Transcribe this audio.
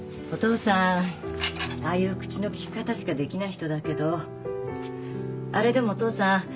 お父さんああいう口の利き方しかできない人だけどあれでもお父さん